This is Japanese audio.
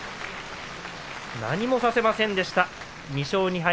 何もさせませんでした２勝２敗。